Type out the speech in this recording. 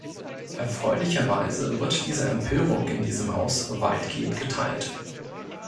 Erfreulicherweise wird diese Empörung in diesem Haus weitgehend geteilt.